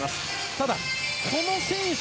ただ、この選手